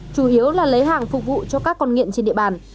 chủ yếu là lấy hàng phục vụ cho các con nghiện trên địa bàn